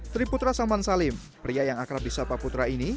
tri putra samansalim pria yang akrab di sapa putra ini